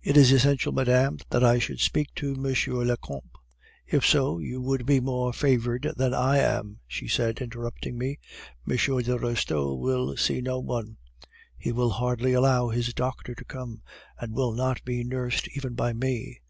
"'It is essential, madame, that I should speak to M. le Comte " "'If so, you would be more favored than I am,' she said, interrupting me. 'M. de Restaud will see no one. He will hardly allow his doctor to come, and will not be nursed even by me.